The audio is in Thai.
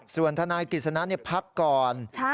ส่วนทนายกฤษณะพักก่อน